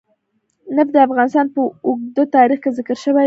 نفت د افغانستان په اوږده تاریخ کې ذکر شوی دی.